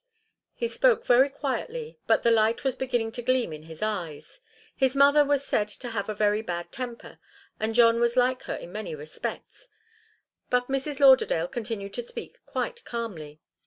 He spoke very quietly, but the light was beginning to gleam in his eyes. His mother was said to have a very bad temper, and John was like her in many respects. But Mrs. Lauderdale continued to speak quite calmly.